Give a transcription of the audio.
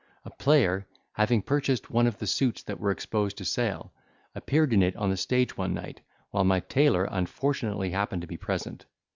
A player, having purchased one of the suits that were exposed to sale, appeared in it on the stage one night, while my tailor unfortunately happened to be present.